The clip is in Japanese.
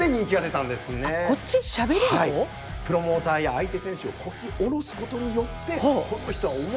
プロモーターや相手選手をこき下ろすことによって「この人は面白い」